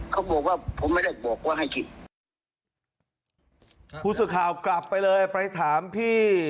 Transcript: เขาบอกว่าผมไม่ได้บอกว่าให้คิดผู้สื่อข่าวกลับไปเลยไปถามพี่